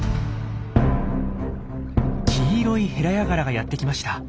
黄色いヘラヤガラがやってきました。